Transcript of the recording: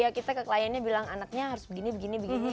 ya kita ke kliennya bilang anaknya harus begini begini begini